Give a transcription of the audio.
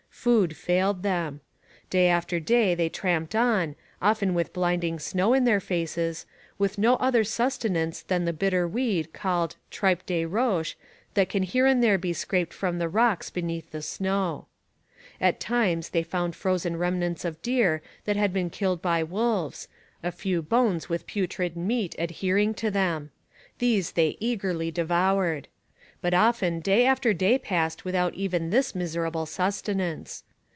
Food failed them. Day after day they tramped on, often with blinding snow in their faces, with no other sustenance than the bitter weed called tripe de roche that can here and there be scraped from the rocks beneath the snow. At times they found frozen remnants of deer that had been killed by wolves, a few bones with putrid meat adhering to them. These they eagerly devoured. But often day after day passed without even this miserable sustenance.